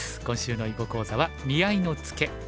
今週の囲碁講座は「見合いのツケ」。